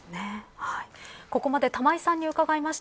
ここまで玉井さんに伺いました。